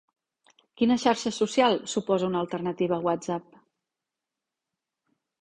Quina xarxa social suposa una alternativa a WhatsApp?